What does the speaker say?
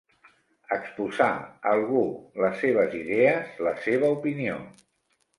Exposar, algú, les seves idees, la seva opinió.